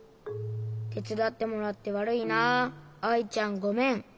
てつだってもらってわるいなアイちゃんごめん。